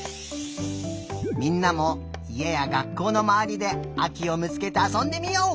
みんなもいえや学校のまわりであきをみつけてあそんでみよう！